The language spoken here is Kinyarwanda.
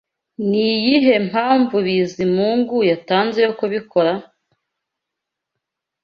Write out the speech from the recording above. Ni iyihe mpamvu Bizimungu yatanze yo kubikora?